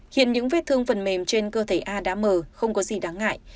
khiến những vết thương vần mềm trên cơ thể a đã mờ không có gì đáng ngại